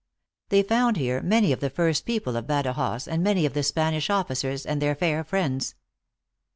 They found here many of the first people of Badajoz and many of the Spanish officers and their fair friends.